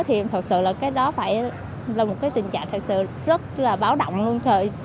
thì thật sự là cái đó phải là một cái tình trạng thật sự rất là báo động luôn thời